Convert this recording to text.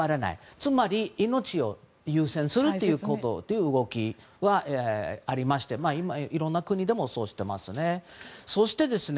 つまり、命を優先するという動きがありまして今、いろんな国でもそうしていますね。